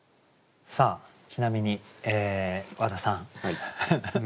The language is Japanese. さあちなみに和田さん。